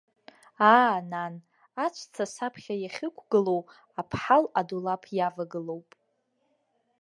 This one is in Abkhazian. Аа, нан, аҵәца саԥхьа иахьықәгылоу, аԥҳал адулаԥ иавагылоуп.